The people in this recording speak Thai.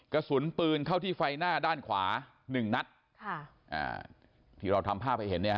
กระสุนปืนเข้าที่ไฟหน้าด้านขวาหนึ่งนัดค่ะอ่าที่เราทำภาพให้เห็นเนี่ยฮ